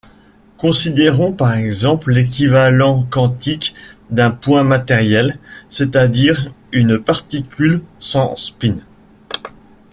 Considérons par exemple l'équivalent quantique d'un point matériel, c’est-à-dire une particule sans spin.